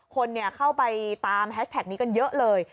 คนเข้าไปตามแฮชแท็กนี้กันเยอะเลย